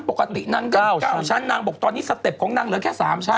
ปกตินางเล่น๙ชั้นนางบอกตอนนี้สเต็ปของนางเหลือแค่๓ชั้น